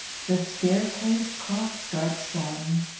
The staircase clock strikes one.